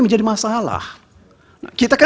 menjadi masalah kita